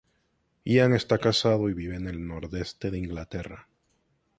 Ian está casado y vive en el Nordeste de Inglaterra.